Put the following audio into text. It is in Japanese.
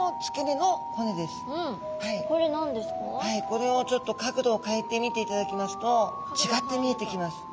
これをちょっと角度を変えて見ていただきますとちがって見えてきます。